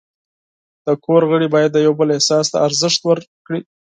د کور غړي باید د یو بل احساس ته ارزښت ورکړي.